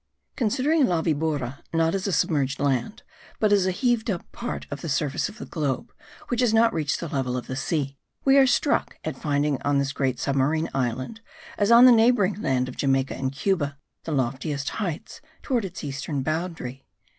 Considering La Vibora not as a submerged land, but as a heaved up part of the surface of the globe, which has not reached the level of the sea, we are struck at finding on this great submarine island, as on the neighbouring land of Jamaica and Cuba, the loftiest heights towards its eastern boundary.